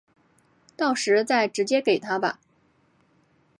到时再直接给他吧